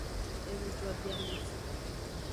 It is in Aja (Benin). Enujodeameji.